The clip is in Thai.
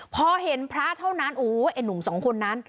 พอเห็นพระเท่านั้นโอ้ไอ้หนุ่มสองคนนั้น